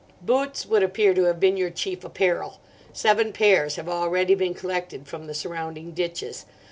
Boots would appear to have been your chief apparel. Seven pairs have already been collected from the surrounding ditches.